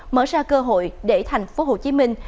mở ra cơ hội để thành phố hồ chí minh